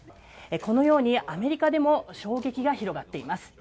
このようにアメリカでも衝撃が広がっています。